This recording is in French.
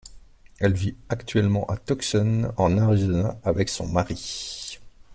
Elle vit actuellement à Tucson, en Arizona, avec son mari.